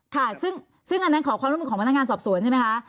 ค่ะซึ่งอันนั้นของพนักงานสอบสวนใช่ไหมคะ